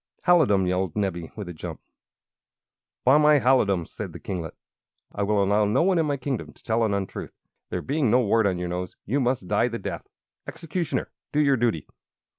"Halidom!" yelled Nebbie, with a jump. "By my halidom!" said the kinglet, "I will allow no one in my kingdom to tell an untruth. There being no wart on your nose, you must die the death! Executioner, do your duty!"